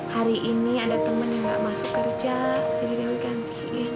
hari ini ada temen yang nggak masuk kerja jadi dewi gantiin